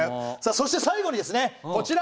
そして最後にですねこちら！